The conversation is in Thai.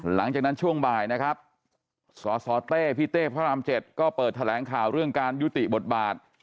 หลังจากนั้นช่วงบ่ายนะครับสสเต้พี่เต้พระราม๗ก็เปิดแถลงข่าวเรื่องการยุติบทบาท